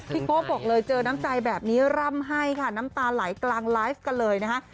โก๊บอกเลยเจอน้ำใจแบบนี้ร่ำให้ค่ะน้ำตาไหลกลางไลฟ์กันเลยนะคะ